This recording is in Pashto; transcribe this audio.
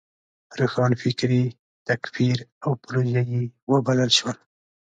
روښانفکري تکفیر او پروژيي وبلل شوه.